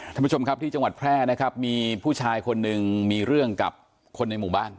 ท่านผู้ชมครับที่จังหวัดแพร่นะครับมีผู้ชายคนหนึ่งมีเรื่องกับคนในหมู่บ้าน